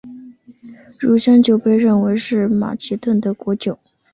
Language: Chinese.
乳香酒被认为是马其顿的国酒。